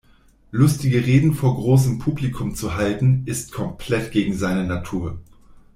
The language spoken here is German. Lustige Reden vor großem Publikum zu halten, ist komplett gegen seine Natur.